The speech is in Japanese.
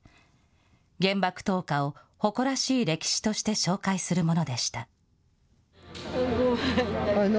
原爆投下を誇らしい歴史として紹介するものでした。